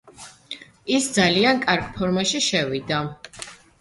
ის ძალიან კარგ ფორმაში შევიდა.